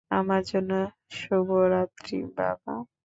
আমার জন্য শুভরাত্রি, বাবা।